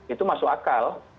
itu masuk akal